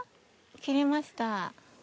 切れました。